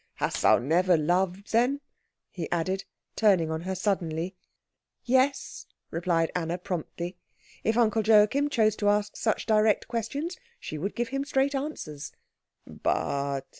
Hast thou never loved, then?" he added, turning on her suddenly. "Yes," replied Anna promptly. If Uncle Joachim chose to ask such direct questions she would give him straight answers. "But